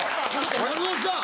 松本さん！